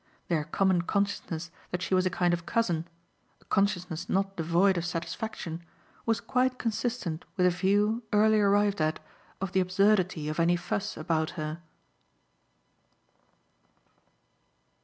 Their common consciousness that she was a kind of cousin, a consciousness not devoid of satisfaction, was quite consistent with a view, early arrived at, of the absurdity of any fuss about her.